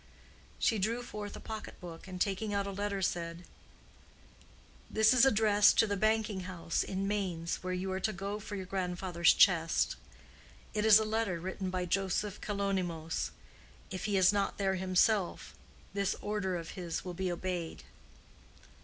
She drew forth a pocket book, and taking out a letter said, "This is addressed to the banking house in Mainz, where you are to go for your grandfather's chest. It is a letter written by Joseph Kalonymos: if he is not there himself, this order of his will be obeyed."